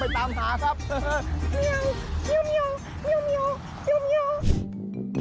เมียวเมียวเมียวเมียวเมียว